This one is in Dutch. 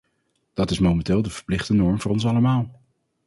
Dat is momenteel de verplichte norm voor ons allemaal.